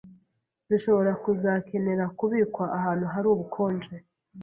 zishobora kuzakenera kubikwa ahantu hari ubukonje